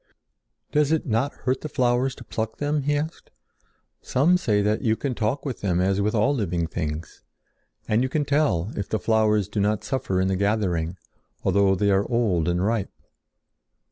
"Does it not hurt the flowers to pluck them?" he asked. "Some say that you can talk with them as with all living things, and you can tell if the flowers do not suffer in the gathering, although they are old and ripe."